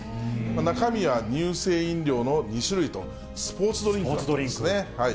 中身は乳性飲料の２種類と、スポーツドリンクなんですね。